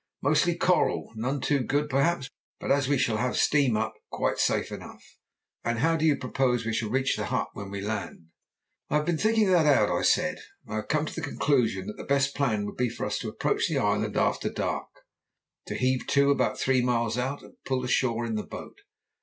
"Mostly coral. None too good, perhaps, but as we shall have steam up, quite safe enough." "And how do you propose that we shall reach the hut when we land?" "I have been thinking that out," I said, "and I have come to the conclusion that the best plan would be for us to approach the island after dark, to heave to about three miles out and pull ashore in the boat.